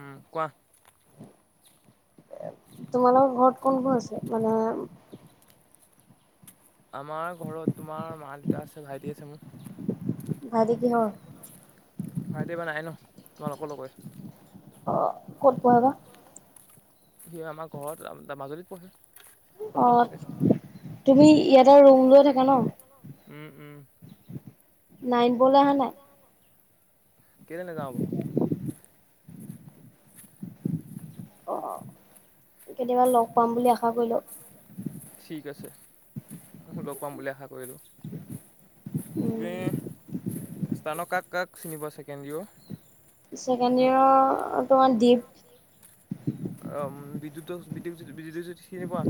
উম, কোৱা? তোমালোকৰ ঘৰত কোন কোন আছে? মানে আমাৰ ঘৰত, তোমাৰ মা দেউতা আছে, ভাইটি আছে। মোৰ ভাইটি কি হয়? ভাইটি এবাৰ নাইনত, তোমালোকৰ লগৰে। অ'! ক'ত পঢ়ে বা? সি আমাৰ ঘৰত, মাজুলীত পঢ়ে। অ'! তুমি ইয়াটে ৰুম লৈ থাকা ন'? নাইন বোৰলে আহা নাই? কেলে নেযাওঁ নো? অ'! কেতিয়াবা লগ পাম বুলি আশা ঠিক আছে, লগ পাম বুলি আশা কৰিলোঁ। তুমি [unintelligible] কাক, কাক চিনি পোৱা চেকেণ্ড' ইয়েৰৰ? চেকেণ্ড ইয়েৰৰ, তোমাৰ দিপ অ'! বিদ্যুতক [unintelligible] চিনি পোৱা?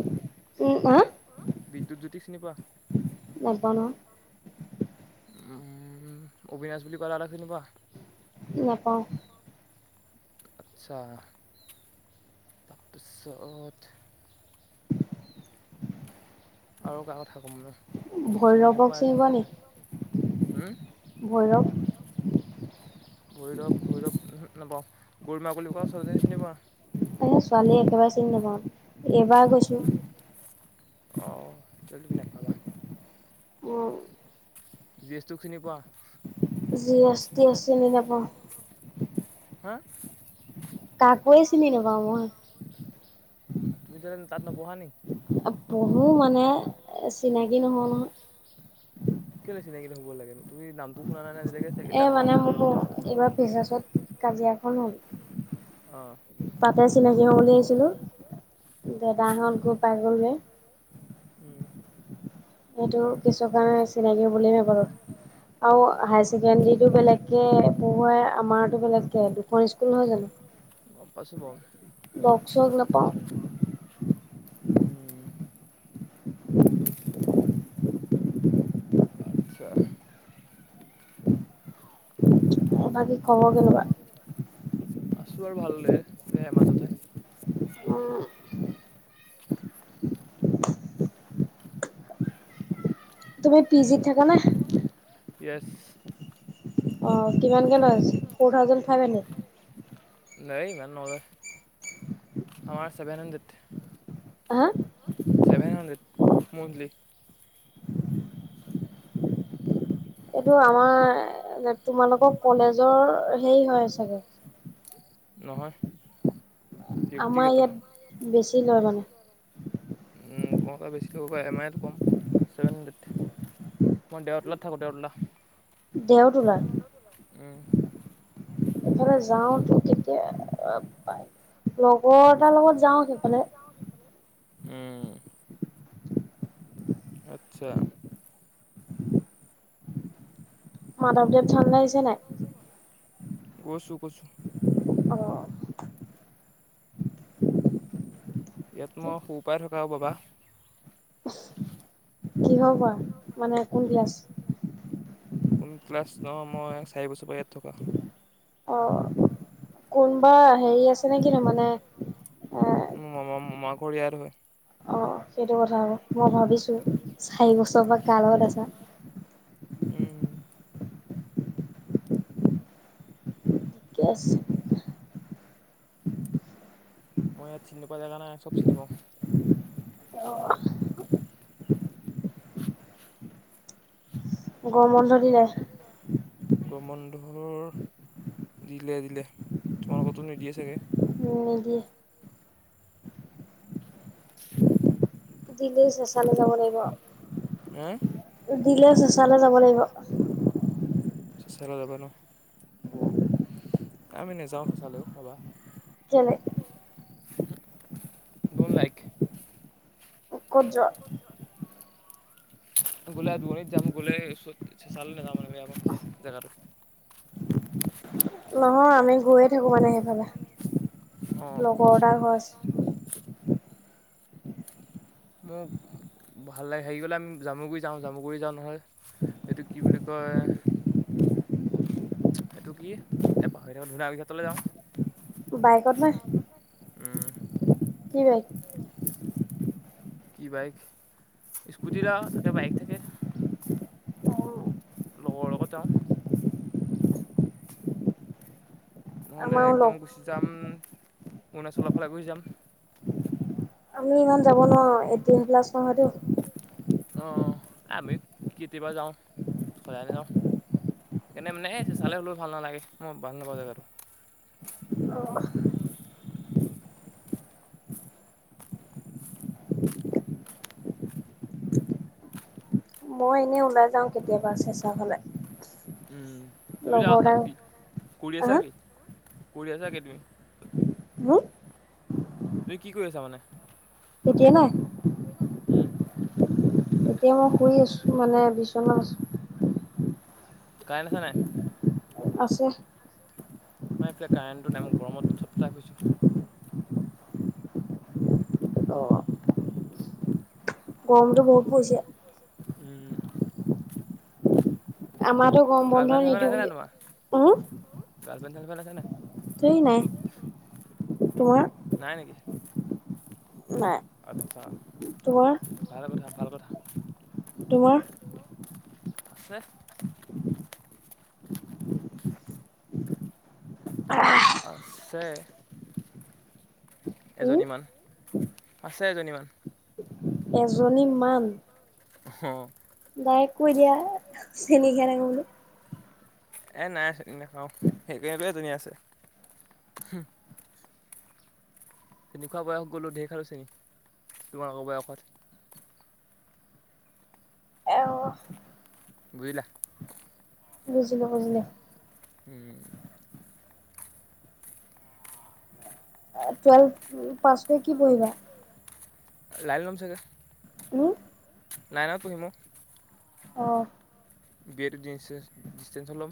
বিদ্যুতজ্যোতিক চিনি পোৱা? নেপাওঁ নহয়। উম, অবিনাশ বুলি কোৱা ল'ৰাজনক চিনি পোৱা? নেপাওঁ। আচ্ছা! তাৰপিছত আৰু কাৰ কথা ক'ম ন? ভৈৰৱক চিনি পোৱা নি ভৈৰৱ? ভৈৰৱ ভৈৰৱ নাপাওঁ গৰিমা বুলি কোৱা ছোৱালীজনি চিনি পোৱা? এ ছোৱালীয়ে একেবাৰে চিনি নাপওঁ এইবাৰ গৈছো। তেনে নাপাবা। উ। জি এছ টো চিনিপোৱা? জি এছ টি এছ চিনি নাপাও। হা। কাকোৱে চিনি নাপাওঁ মই। তুমি যে তাত নপঢ়া নি? পহু মানে চিনাকি নহওঁ নহয়। চিনাকি হ'ব লাগে। তুমি নামটো শুনা নাই নে আজি এ, মানে, মোৰ এইবাৰ ফ্ৰেছাৰ্ছত কাজিয়াখন হ'ল। তাতে চিনাকি হ'বলৈ আহিছিলোঁ। দাদাহঁত গৈ পাই গ'লগে। উম! সেইটো, কিছু কাৰণে চিনাকি বুলিয়েই [unintelligible] অ'! হাইয়াৰ ছেকেণ্ডাৰীটো বেলেগকে পঢ়োৱাই, আমাৰটো বেলেগকে, দুখন স্কুল নহয় জানোঁ? গম পাইছোঁ বাৰু। লক চক নাপাওঁ। [unintelligible] আচ্ছা। বাকী খবৰ কেনেকুৱা? আছোঁ আৰু ভালদৰে বেয়াই মাজতে। উম। তুমি পিজিত থাকা নে? ইএছ। অ কিমানকে লয় ফ'ৰ থাউজেণ্ড ফাইভ হাণ্ড্ৰেড। নাই ইমান নলয় আমাৰ seven hundred. Ah! Seven hundred monthly. এইটো আমাৰ তোমালোকৰ কলেজৰ হেৰি হয় চাগে। নহয়। আমাৰ ইয়াত বেছি লয় মানে। তোমাৰ তাত বেছি ল'ব পাৰে আমাৰ এয়াৰ কম ছেভেন হাণ্ড্ৰেড। মই দেওতোলাত থাকোঁ দেওতোলা। দেওতোলা? উম। এফালে যাওতো তেতিয়া লগত। তাৰ লগত যাওঁ সেইফালে। উম। আচ্ছা। মাধৱদেৱ থানলে আহিছা নাই। গৈছো গৈছো। ইয়াত মই সৰু পাই থকাও বাবা। কিহ বা মানে কোন ক্লাছ। ন মই চাৰি বছৰ পৰা ইয়াত থকা। অ কোনোবা হেৰি আছে নে কিনো মানে এ। কৰিয়াৰ হয়। অ সেইটো কথা মই ভাবিছো চাৰি বছৰ পৰা কালত আছা। উম। [unintelligible] মই ইয়াত চিনি পোৱা জেগা নাই চব চিনি পাওঁ। গ বন্ধ দিলে। গম বন্ধ দিলে দিলে তোমালোকতো নিদিয়ে চাগে? নিদিয়ে। দিলেই চেচালে যাব লাগিব। দিলে চচে যাব লাগিব। চুচলা দ বনো - আমি নেযাওঁ সঁচালেও বাবা। কেলে? Don't like. ক'ত জাও গ'লে আৰু দুৱণিত যাম, গ'লে ওচৰত চচাল নেযাও মানে বেয়াঁচা জেগাতটো। [unintelligible] নহয় আমি গৈয়ে থাকো মানে সেইফালে। লগৰ এটা ঘৰ আছে। মোৰ ভাল লাগে হেৰি গ'লে আমি জামুগুৰি যাওঁ জামুগুৰি যাওঁ নহয়। এইটো কি বুলি কয়, সেইটো কি এ পাহৰি থাক ধুনাবি ঘাটলৈ যাওঁ। বাইকত নে? উম। কি বাইক, স্কুটিৰা থাকে বাইক থাকে। লগৰ লগত যাওঁ। নহ'লে একদম গুচি যাম, অৰুণাচলৰফালে গুচি যাম। আমি ইমান যাব নোৱাৰো। এইটিন প্লাছ অ। আমি কেতিয়াবা যাওঁ, সলায় যাওঁ। সেইকাৰণে মানে চালে হ'লেও ভাল নালাগে। মই বান নাপাওঁ জেগাটো। মই এনেই ওলাই যাওঁ কেতিয়াবা চেচা ফালে। উম তুমি য থাক কি কৰি আছা কি? কৰি আছা কি তুমি? হম তুমি কি কৰি আছা মানে? তেতিয়ে নাই। উম। এতিয়া মই শুই আছো, মানে বিচনা আছো। কাইন আছে নাই? আছে। মই এইফালে কাৰেণ্টটো নাই, মই গৰমত সত পটাই গৈছো। অ। গৰমটো বহুত পৰিছে। আমাৰো গম বন্ধ নিদু বুলি, হ। তেই নাই। তোমাৰ? নাই নেকি? আচ্ছা, ভাল কথা ভাল কথা। তোমাৰ? আছে। অ - আছে। এজনীমান, আছে এজনীমান। এজনী মান, ডাৰেক্ত কৈ দিয়া। চেনে কেনে গলো এই নাই চ নাখাওঁ, সেইটোৱেজনী আছে। চেনি খোৱা বয়স গ'লোঁ, ঢেৰ খালোঁ চেনি তোমালোকৰ বয়সত। অ। বুজিলা বুজিলো বুজিলো উম। টুৱেলভ পাছ কৰি কি পঢ়িবা? লাইন ল'ম চাগে উ লাইনত পঢ়িম অ অ বি এ টো ডি ডিচটেঞ্চত লম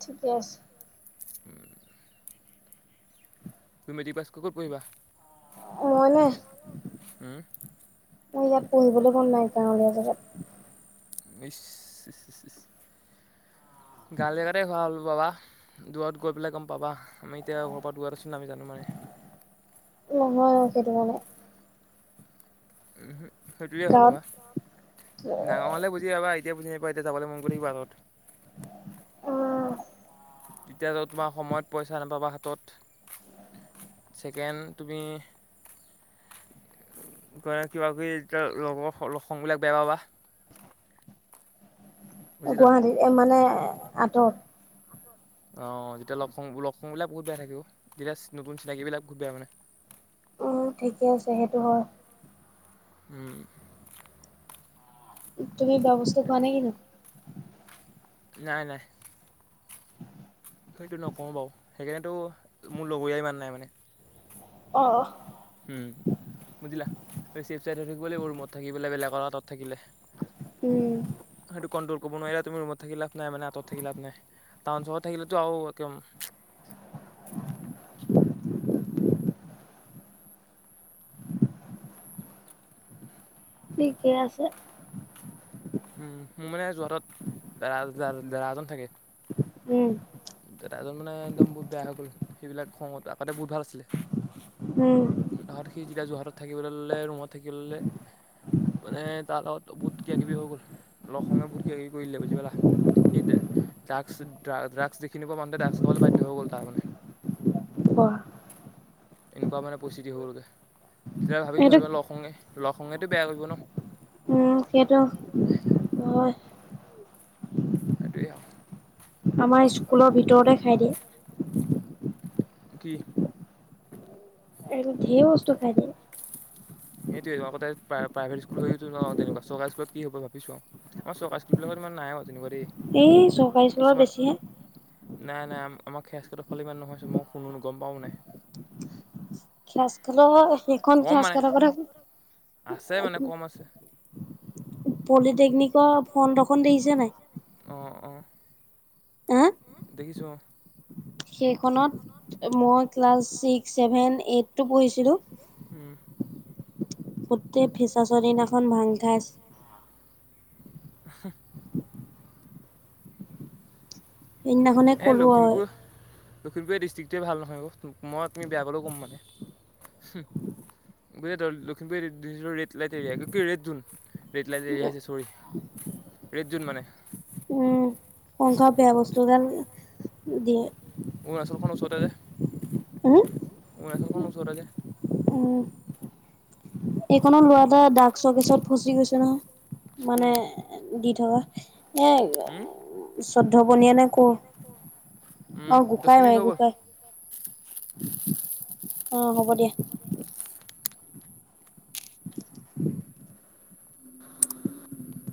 ঠিকে আছে উম তুমি মেট্ৰিক পাছ ক'ত পঢ়িবা মই নে উম মই ইয়াত পঢ়িবলৈ মন নাই গাঁৱলীয়া জেগাত ইছ ইছ ইছ গাঁৱলীয়া জেগাতে ভাল পাবা দুৰত গৈ পেলাই গম পাবা আমি এতিয়া ঘৰৰ পৰা দুৰত আছোঁ ন আমি জানো মানে নহয় অ সেইটো কাৰণে উম সেইটোয়ে হয় বাবা ডাঙৰ হলে বুজি পাবা এতিয়া বুজি এতিয়া যাবলে মন গৈ থাকিব আগত তেতিয়া যা তোমাৰ সময়ত পইচা নাপাবা হাতত ছেকেণ্ড তুমি কিবা কিবি এতিয়া লগৰ শং বিলাক বেয়া পাবা [unintelligible] গুৱাহাটীত এ মানে আঁতৰত অ যেতিয়া লগ শং বিলাক বহুত বেয়া থাকে অ যেতিয়া নতুন চিনাকি বিলাক বহুত বেয়া মানে অ ঠিকে আছে সেইটো হয় উম। তুমি বেয়া বস্তু খোৱা নে কি নো? নাই নাই সেইটো নকওঁ বাৰু সেইকাৰণেতো মোৰ লগৰীয়া ইমান নাই মানে অ, উম বুজিলা চেফ চাইড হৈ থাকিব লাগিব ৰুমত থাকিব বেলেগৰ হাতত থাকিলে উম ক'ব নোৱাৰিলা তুমি ৰুমত থাকি লাভ নাই মানে আঁতৰত থাকি লাভ নাই টাউন চহৰত থাকিলেতো আৰু একদম [inaudible] ঠিকেই আছে উম মোৰ মানে যোৰহাটত দাদা এজন থাকে দাদাজন মানে একদম বহুত বেয়া হৈ গ'ল। সেইবিলাক শং ত আগতে বহুত ভাল আছিলে ত সেই যেতিয়া যোৰহাটত থাকিবলৈ' ললে ৰুমত থাকিবলৈ ললে মানে তাৰ লগত বহুত কিব কিবি হৈ গ'ল লগ শং বহুত কিবা কিবি কৰি দিলে বুজি পালা সি ড্ৰাগছ ড্ৰাগছ দেখি নোপোৱা মানুহটোৱে ড্ৰাগছ খাবলৈ বাধ্য হৈ গ'ল তাৰমানে ৱাহ। এনেকুৱা মানে পৰিস্থিতি হৈ গল গে তেতিয়া ভাবিছো আৰু লগ শংগে লগ সংগেটোও বেয়া কৰিব ন',? হয়। সেইটোৱেই আওঁ। আমাৰ স্কুলৰ ভিতৰতে খাই দিয়ে। কি? এইবোৰ ধেৰ বস্তু খাই দে। সেইটোৱে আগতে তাই প্ৰাইভেট স্কুল হৈ তেনেকুৱা চৰকাৰী স্কুলত কি হ'ব ভাবিছো আৰু আমাৰ চৰকাৰী স্কুল বিলাকত কিছুমান নাই আক কিছুমান নাই - নাই। আমাৰ খেত- খেতৰফাল ইমান নহয় চুন মই শুনো গম পাওঁ মানে। খেজ খেলৰ বাবে সেইখন খজ খালৰ কথা পলিটেকনিক। অহ অহ হে দেখিছো অহ সেইখনত মই ক্লাছ ছিক্স ছেভেন এইটটো পঢ়িছিলোঁ গোটেই ফেছৱাছ দিনাখন ভাংঙ আছিল হুহ সেইদিনাখনে কলোৱা হয় লখিমপুৰ ডিষ্ট্ৰিকটোৱে ভাল নহয় অ তুমি বেয়া পালেও ক'ম মানে বোলে লক্ষিমপুৰ দি ৰেড লাইট এৰিয়া কিৰেড ধুন ৰেড লাইট এৰিয়া যে চৰি ৰেট জুন মানে। সংসাৰ বেয়া বস্তু ডাল দিয়ে। অৰুণাচল খন ওচৰতে যে। উম, অৰুণাচল খন ওচৰতে যে। এইখনৰ ল'ৰা এটা ড্ৰাগছ কেছত ফচি গৈছে নহয় মানে দি থকা এ চৈধ্য বনীয়া নে কুৰ অহ, গোসাই ভাই গোসাই। [inaudible] অহ, হ'ব দিয়া। [inaudible] [inaudible]